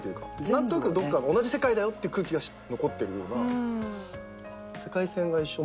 何となく同じ世界だよって空気は残ってるような。